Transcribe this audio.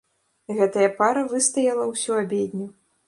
Гэтая пара выстаяла ўсю абедню.